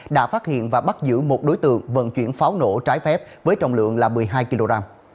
đã phát hiện và bắt giữ một đối tượng vận chuyển pháo nổ trái phép với trọng lượng là một mươi hai kg